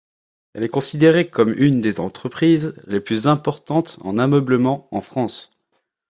Elle est considérée comme une des entreprises les plus importantes en ameublement en France.